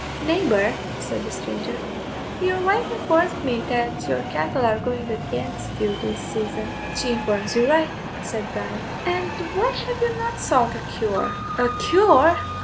"Neighbour," said the stranger, "your wife informs me that your cattle are going against you this season." "She informs you right," said Bryan. "And why have you not sought a cure?" "A cure!"